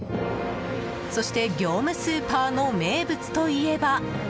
そして業務スーパーの名物といえば。